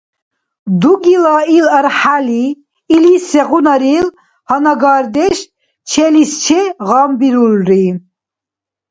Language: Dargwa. Дугила ил архӀяли илис сегъунарил гьанагардеш челис-че гъамбирулри.